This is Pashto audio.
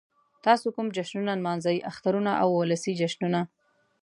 تاسو کوم جشنونه نمانځئ؟ اخترونه او ولسی جشنونه